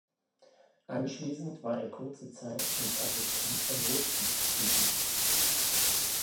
Anschließend war er kurze Zeit als Assistent von Rothfels tätig.